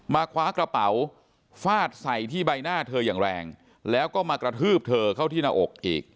คว้ากระเป๋าฟาดใส่ที่ใบหน้าเธออย่างแรงแล้วก็มากระทืบเธอเข้าที่หน้าอกอีก